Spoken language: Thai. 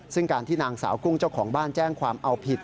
ซึ่งการที่นางสาวกุ้งเจ้าของบ้านแจ้งความเอาผิด